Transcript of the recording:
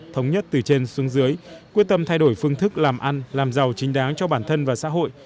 thống nhất từ trên xuống dưới quyết tâm thay đổi phương thức làm ăn làm giàu chính đáng cho bản thân và xã hội